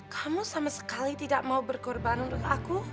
kamu sama sekali tidak mau berkorban untuk aku